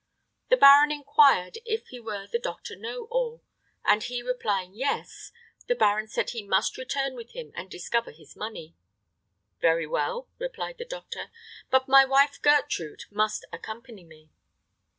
The baron inquired if he were the Doctor Know All, and he replying "Yes," the baron said he must return with him and discover his money. "Very well," replied the doctor; "but my wife Gertrude must accompany me."